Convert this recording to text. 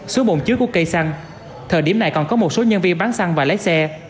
xuống bộn trước của cây xăng thời điểm này còn có một số nhân viên bán xăng và lấy xe